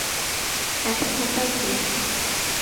এখন উপায় কী?